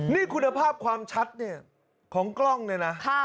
นี่คุณภาพความชัดเนี่ยของกล้องเนี่ยนะ